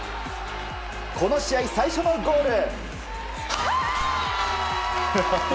この試合最初のゴール。